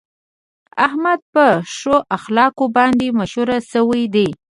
احمد په ښو اخلاقو باندې مشهور شوی دی.